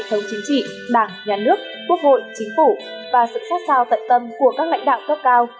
thống chính trị bảng nhà nước quốc hội chính phủ và sự xét xao tận tâm của các lãnh đạo cấp cao